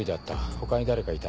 他に誰かいた？